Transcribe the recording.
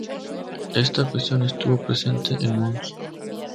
Esta cuestión estuvo presente en Mons.